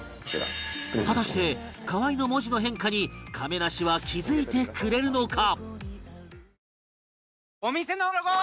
果たして河合の文字の変化に亀梨は気づいてくれるのか？